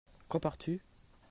Quand pars-tu ?